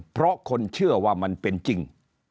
เพราะคนเชื่อว่ามันเป็นจริง